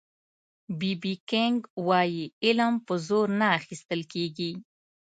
بي بي کېنګ وایي علم په زور نه اخيستل کېږي